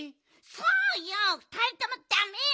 そうよふたりともだめよ！